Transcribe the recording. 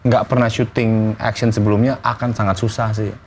gak pernah syuting action sebelumnya akan sangat susah sih